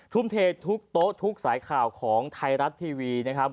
ทุ่มเททุกโต๊ะทุกสายข่าวของไทยรัฐทีวีนะครับ